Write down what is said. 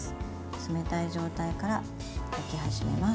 冷たい状態から焼き始めます。